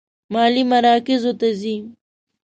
مالي مراکزو ته ځي.